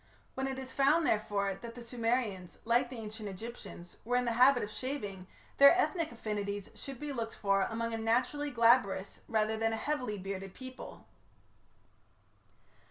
When it is found, therefore, that the Sumerians, like the Ancient Egyptians, were in the habit of shaving, their ethnic affinities should be looked for among a naturally glabrous rather than a heavily bearded people.